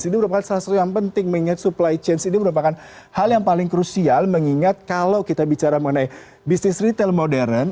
ini merupakan salah satu yang penting mengingat supply chain ini merupakan hal yang paling krusial mengingat kalau kita bicara mengenai bisnis retail modern